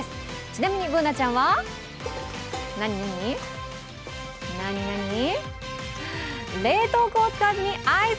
ちなみにＢｏｏｎａちゃんはなになに？